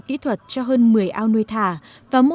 kỹ thuật cho hơn một mươi ao nuôi thả và mua